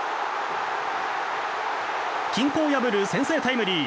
均衡を破る先制タイムリー。